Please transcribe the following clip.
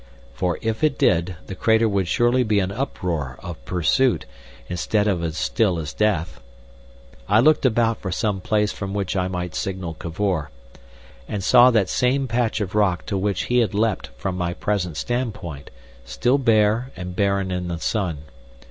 For if it did, the crater would surely be an uproar of pursuit, instead of as still as death! I looked about for some place from which I might signal Cavor, and saw that same patch of rock to which he had leapt from my present standpoint, still bare and barren in the sun.